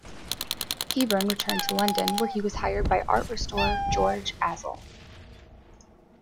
Hebborn returned to London where he was hired by art restorer George Aczel.